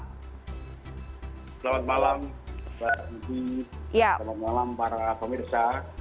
selamat malam pak sujito selamat malam para pemirsa